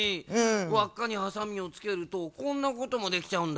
わっかにハサミをつけるとこんなこともできちゃうんだ。